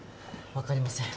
分かりません。